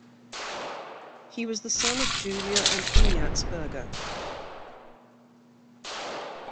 He was the son of Julia and Ignatz Berger.